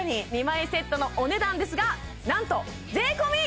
２枚セットのお値段ですがなんと安！